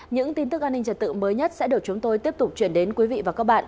những tin tức an ninh trật tự mới nhất sẽ được chúng tôi tiếp tục chuyển đến quý vị và các bạn